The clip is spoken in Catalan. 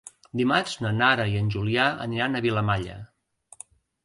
Dimarts na Nara i en Julià aniran a Vilamalla.